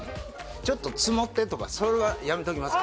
ちょっとツモってとかそれはやめときますか？